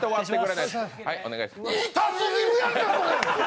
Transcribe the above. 痛過ぎるやんか、これ！